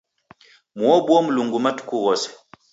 Muobuo Mlungu matuku ghose